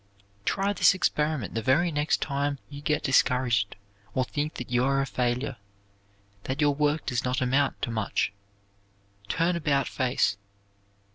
Try this experiment the very next time you get discouraged or think that you are a failure, that your work does not amount to much turn about face.